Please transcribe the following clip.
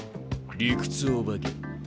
理屈お化け。